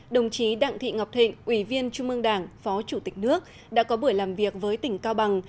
đồng chí đặng thị ngọc thịnh ủy viên trung ương đảng phó chủ tịch nước đã có buổi làm việc với tỉnh cao bằng